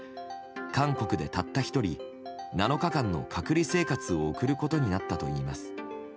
韓国でたった１人７日間の隔離生活を送ることになったといいます。